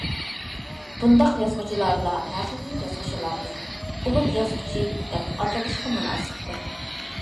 بۇنداق يازغۇچىلارلا ھەقىقىي يازغۇچىلاردۇر، ئۇلۇغ يازغۇچى دەپ ئاتىلىشقا مۇناسىپتۇر.